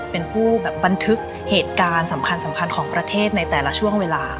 เป็นผู้แบบบันทึกเหตุการณ์สำคัญของประเทศในแต่ละช่วงเวลา